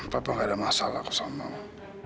papa nggak ada masalah sama mama